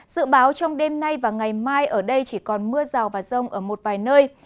dự báo trong đêm nay và ngày mai ở đây chỉ còn mưa rào và rông ở một vài nơi